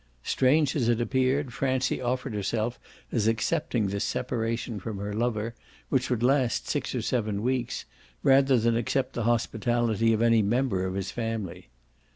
Strange as it appeared, Francie offered herself as accepting this separation from her lover, which would last six or seven weeks, rather than accept the hospitality of any member of his family.